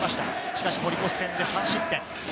しかし堀越戦で３失点。